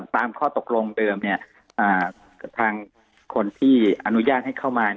ตามข้อตกลงเดิมทางคนที่อนุญาตให้เข้ามา